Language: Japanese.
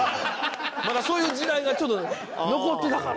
まだそういう時代がちょっと残ってたから。